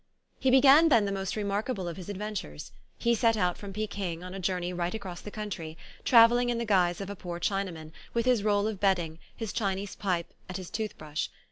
He began then the most remarkable of his ad ventures. He set out from Peking on a journey right across the country, travelling in the guise of a poor Chinaman, with his roll of bedding, his Chinese pipe, and his tooth brush.